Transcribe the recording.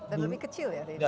dan lebih kecil ya